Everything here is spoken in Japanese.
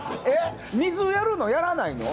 水やるの？やらないの？